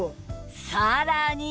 さらに